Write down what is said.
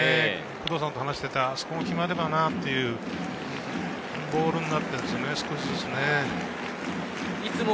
工藤さんと話していて、あそこが決まればなというボールになっているんですよね、少しずつね。